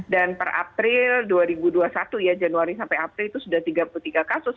dan per april dua ribu dua puluh satu ya januari sampai april itu sudah tiga puluh tiga kasus